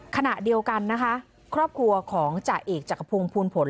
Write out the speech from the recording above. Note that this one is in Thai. ขณะเดียวกันนะคะครอบครัวของจ่าเอกจักรพงศูนผล